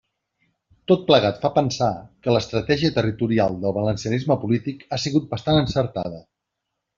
Tot plegat fa pensar que l'estratègia territorial del valencianisme polític ha sigut bastant encertada.